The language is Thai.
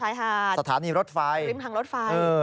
ชายหาดสถานีรถไฟริมทางรถไฟ